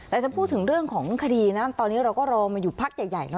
แต่จะพูดถึงเรื่องของคดีนะตอนนี้เราก็รอมาอยู่พักใหญ่เนอ